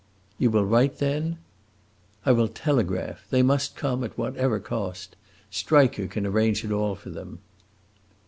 "You will write, then?" "I will telegraph. They must come, at whatever cost. Striker can arrange it all for them."